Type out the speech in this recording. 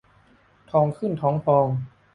ท้องขึ้นท้องพอง